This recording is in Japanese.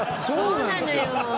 そうなのよ。